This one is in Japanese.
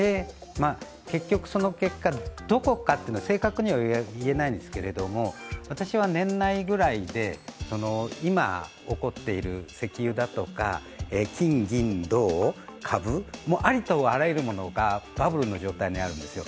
結局、その結果、どこかって正確には言えないんですけども私は年内ぐらいで今、起こっている石油だとか金・銀・銅、株、ありとあらゆるものがバブルの状態にあるんですよ